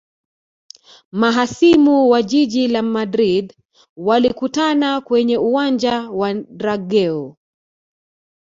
mahasimu wa jiji la madrid walikutana kwenye uwanja wa drageo